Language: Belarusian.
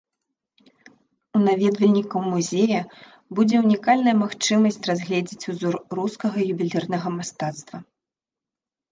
У наведвальнікаў музея будзе ўнікальная магчымасць разгледзець узор рускага ювелірнага мастацтва.